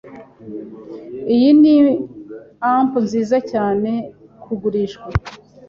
Iyi ni amp nziza cyane kugurishwa.